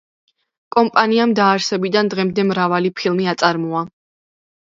კომპანიამ დაარსებიდან დღემდე მრავალი ფილმი აწარმოა.